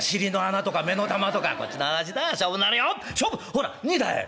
ほら二だい」。